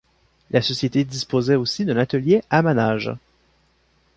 La société disposait aussi d'un atelier à Manage.